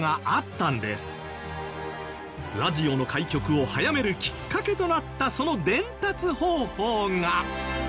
ラジオの開局を早めるきっかけとなったその伝達方法が。